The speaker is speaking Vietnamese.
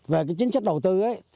về chính sách đầu tư